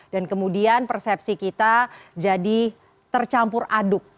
dan kemudian persepsi kita jadi tercampur aduk